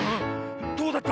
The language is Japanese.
どうだった？